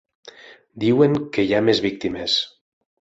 Diuen que hi ha més víctimes.